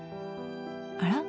あら？